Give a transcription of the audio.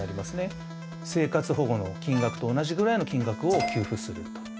生活保護の金額と同じぐらいの金額を給付すると。